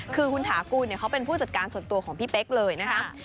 คือคุณถากูลเขาเป็นผู้จัดการส่วนตัวของพี่เป๊กเลยนะครับ